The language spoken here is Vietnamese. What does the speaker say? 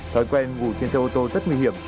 thói quen ngủ trên xe ô tô rất nguy hiểm